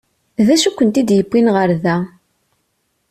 D acu i kent-id-yewwin ɣer da?